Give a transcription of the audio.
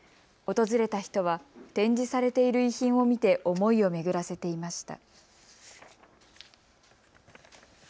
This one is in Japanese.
訪れた人は展示されている遺品を見て思いを巡らせていました。